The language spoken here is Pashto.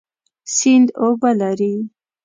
سیند اوبه لري.